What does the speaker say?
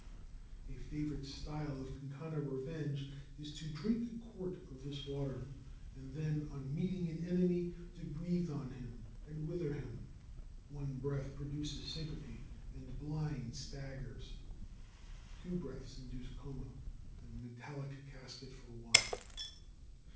A favorite style of Kankanna revenge is to drink a quart of this water, and then, on meeting an enemy, to breathe on him and wither him. One breath produces syncope and blind staggers. Two breaths induce coma and metallic casket for one.